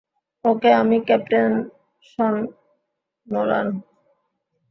ওকে, আমি, captain Sean Nolan.